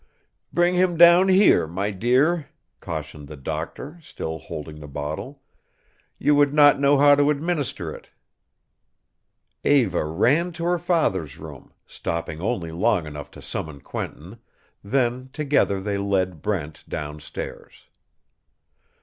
"Bring him down here, my dear," cautioned the doctor, still holding the bottle. "You would not know how to administer it." Eva ran to her father's room, stopping only long enough to summon Quentin, then together they led Brent down stairs.